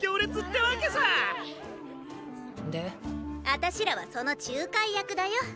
あたしらはその仲介役だよ。